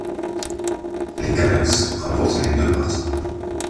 Les Canucks remportent les deux parties.